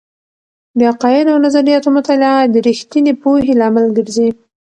د عقائد او نظریاتو مطالعه د رښتینې پوهې لامل ګرځي.